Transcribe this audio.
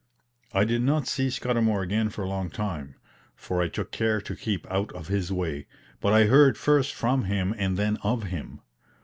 I did not see Scudamour again for a long time, for I took care to keep out of his way; but I heard first from him and then of him.